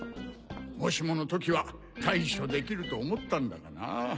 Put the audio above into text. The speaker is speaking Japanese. もしもの時は対処できると思ったんだがなぁ。